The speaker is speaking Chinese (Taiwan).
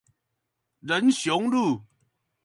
仁雄路